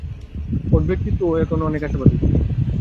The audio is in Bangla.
ওর ব্যক্তিত্ব ও এখন অনেক আশাবাদী।